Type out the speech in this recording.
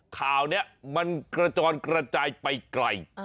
ข่าวนี้มันกระจอนกระจายไปไกล